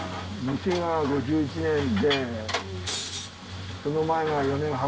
店が５１年で、その前が４年半。